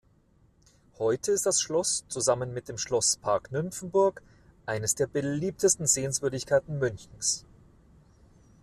Heute ist das Schloss zusammen mit dem Schlosspark Nymphenburg eine der beliebtesten Sehenswürdigkeiten Münchens.